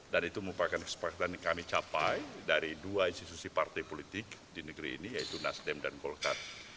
dan itu merupakan kesepakatan yang kami capai dari dua institusi partai politik di negeri ini yaitu nasdem dan golkar